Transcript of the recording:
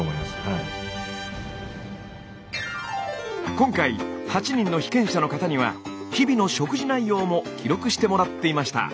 今回８人の被験者の方には日々の食事内容も記録してもらっていました。